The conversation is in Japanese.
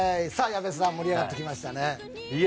矢部さん盛り上がってきましたね。